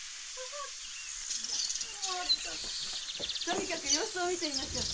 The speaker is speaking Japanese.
とにかく様子を見てみましょう。